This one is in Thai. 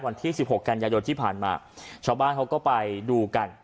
วันที่สิบหกกันยายนที่ผ่านมาชาวบ้านเขาก็ไปดูกัน